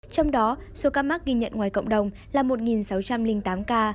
trong đó số ca mắc ghi nhận ngoài cộng đồng là một sáu trăm linh tám ca